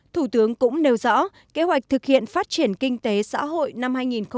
thủ tướng cũng nêu rõ kế hoạch thực hiện phát triển kinh tế xã hội năm hai nghìn hai mươi